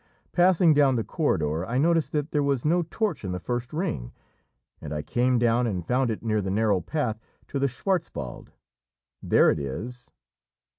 Passing down the corridor I noticed that there was no torch in the first ring, and I came down and found it near the narrow path to the Schwartzwald; there it is!"